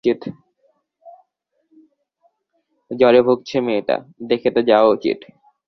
জ্বর ভুগছে মেয়েটা, দেখে তো যাওয়া উচিত?